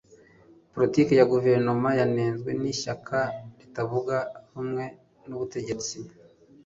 politiki ya guverinoma yanenzwe n'ishyaka ritavuga rumwe n'ubutegetsi